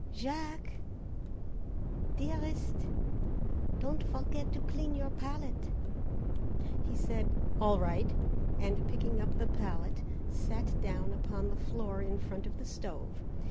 "Jack?" "Dearest?" "Don't forget to clean your palette." He said, "All right," and picking up the palette, sat down upon the floor in front of the stove.